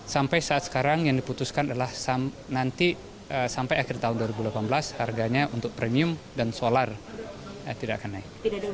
sampai saat sekarang yang diputuskan adalah nanti sampai akhir tahun dua ribu delapan belas harganya untuk premium dan solar tidak akan naik